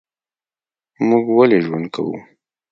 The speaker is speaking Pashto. موږ ولي ژوند کوو؟